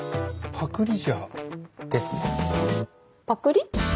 パクリ？